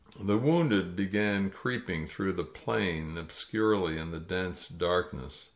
••• The wounded began creeping through the plain ob scurely in the dense darkness.